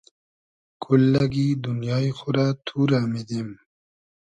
کوللئگی دونیای خو رۂ تو رۂ میدیم